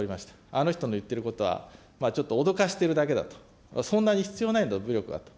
あの人の言っていることは、ちょっと脅かしてるだけだと、そんなに必要ないんだ、武力はと。